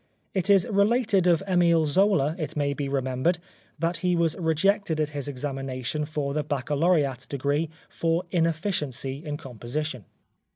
It is related of Emile Zola, it may be remembered, that he was rejected at his examination for the baccalaureat degree for inefficiency in composition.